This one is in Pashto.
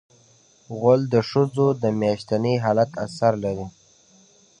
غول د ښځو د میاشتني حالت اثر لري.